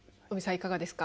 いかがですか。